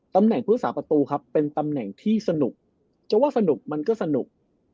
ตำแหน่งผู้สาปประตูครับเป็นตำแหน่งที่สนุกจะว่าสนุกมันก็สนุก